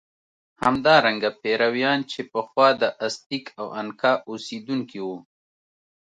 همدارنګه پیرویان چې پخوا د ازتېک او انکا اوسېدونکي وو.